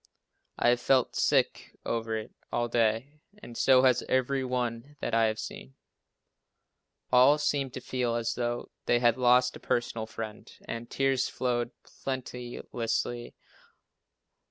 I have felt sick over it all day and so has every one that I have seen. All seem to feel as though they had lost a personal friend, and tears flow plenteously.